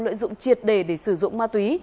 lợi dụng triệt đề để sử dụng ma túy